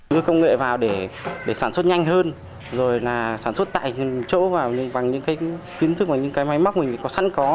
dưới công nghệ vào để sản xuất nhanh hơn rồi là sản xuất tại chỗ và bằng những kiến thức và những máy móc mình có sẵn có